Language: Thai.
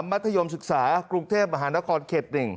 มัธยมศึกษากรุงเทพมหานครเขต๑